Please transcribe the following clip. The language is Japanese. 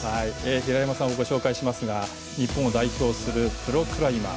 平山さんをご紹介しますが日本を代表するプロクライマー。